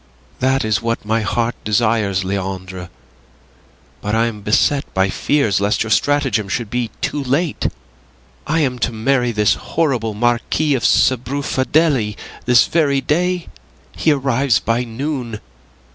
"That is what my heart desires, Leandre, but I am beset by fears lest your stratagem should be too late. I am to marry this horrible Marquis of Sbrufadelli this very day. He arrives by noon.